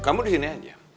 kamu di sini aja